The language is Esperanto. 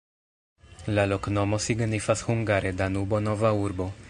La loknomo signifas hungare Danubo-nova-urbo.